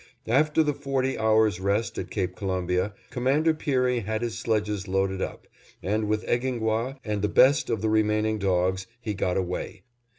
After the forty hours' rest at Cape Columbia, Commander Peary had his sledges loaded up, and with Egingwah and the best of the remaining dogs, he got away.